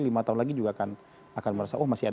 lima tahun lagi juga akan merasa oh masih